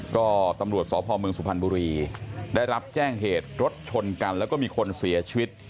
ก็ตำรวจสพเมืองสุพรรณบุรีได้รับแจ้งเหตุรถชนกันแล้วก็มีคนเสียชีวิต